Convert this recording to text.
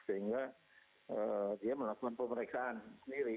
sehingga dia melakukan pemeriksaan sendiri